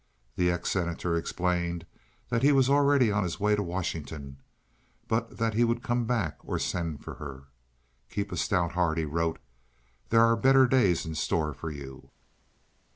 The ex Senator explained that he was already on his way to Washington, but that he would come back or send for her. "Keep a stout heart," he wrote. "There are better days in store for you."